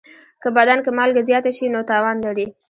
که بدن کې مالګه زیاته شي، نو تاوان لري.